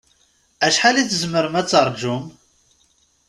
Acḥal i tzemrem ad taṛǧum?